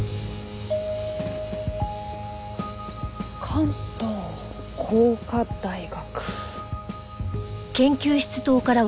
「関東工科大学」。